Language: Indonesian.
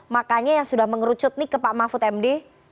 makanya yang sudah mengerucut nih ke pak mahfud md